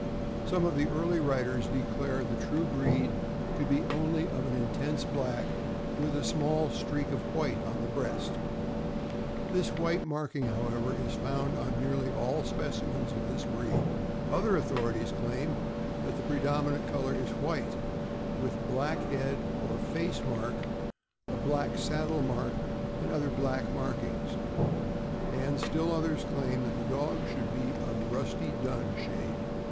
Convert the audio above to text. Some of the early writers declare the true breed to be only of an intense black, with a small streak of white on the breast. This white marking, how ever, is found on nearly all specimens of this breed. Other authorities claim that the predominant color is white, with black head or face mark, a black saddle mark, and other black markings; and still others claim the dog should be of a rusty dun shade.